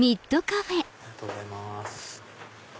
ありがとうございます。